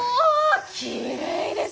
きれいですねえ！